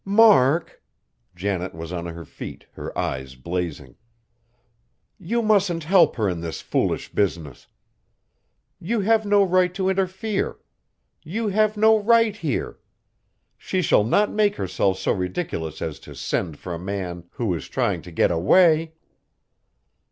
"Mark!" Janet was on her feet, her eyes blazing, "you mustn't help her in this foolish business. You have no right to interfere. You have no right here! She shall not make herself so ridiculous as to send for a man who is trying to get away!"